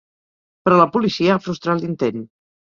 Però la policia ha frustrat l’intent.